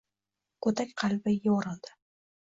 Go’dak qalbi yo’g’rildi.